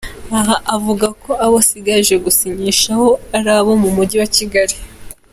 Aha avuga ko abo asigaje gusinyishaho ari abo mu mujyi wa Kigali.